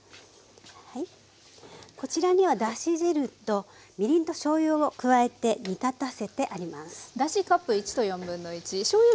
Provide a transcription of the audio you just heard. こちらにはだし汁とみりんとしょうゆを加えて煮立たせてあります。